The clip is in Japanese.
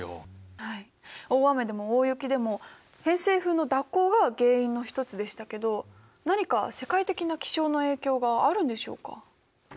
はい大雨でも大雪でも偏西風の蛇行が原因の一つでしたけど何か世界的な気象の影響があるんでしょうか？